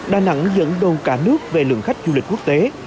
đà nẵng dẫn đầu cả nước về lượng khách du lịch quốc tế